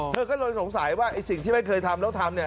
เธอก็เลยสงสัยว่าไอ้สิ่งที่ไม่เคยทำแล้วทำเนี่ย